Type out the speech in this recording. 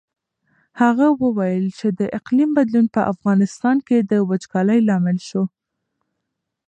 هغه وویل چې د اقلیم بدلون په افغانستان کې د وچکالۍ لامل شوی.